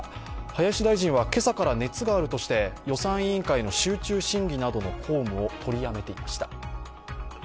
林大臣は今朝から熱があるとして、予算委員会の集中審議などの公務を取りやめていました。